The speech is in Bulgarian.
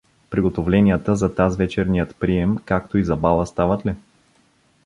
Приготовленията за тазвечерният прием, както и за бала, стават ли?